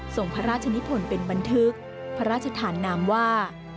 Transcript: ส่งพระราชนิพลเป็นบันทึกพระราชฐานนามว่า